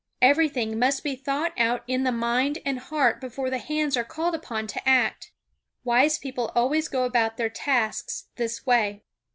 Everything must be thought out in the mind and heart before the hands are called upon to act. Wise people always go about their tasks this way.